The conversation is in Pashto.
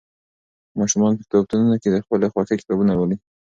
ماشومان په کتابتونونو کې د خپلې خوښې کتابونه لولي.